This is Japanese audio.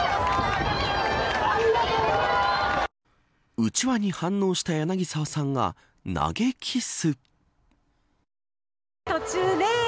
うちわに反応した柳沢さんが投げキッス。